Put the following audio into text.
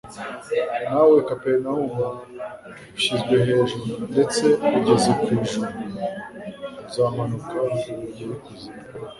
Nawe Kaperinaumu ushyizwe hejuru ndetse ugeze ku ijuru? Uzamanuka ugere ikuzimu."